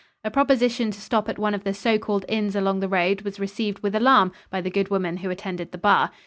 A proposition to stop at one of the so called inns along the road was received with alarm by the good woman who attended the bar.